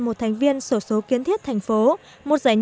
một thành viên sổ số kiến thiết thành phố